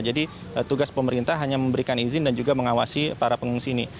jadi tugas pemerintah hanya memberikan izin dan juga mengawasi para pengungsi ini